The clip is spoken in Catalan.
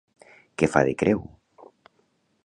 Què fa de creu?